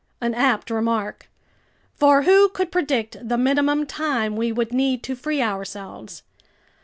An apt remark. For who could predict the minimum time we would need to free ourselves?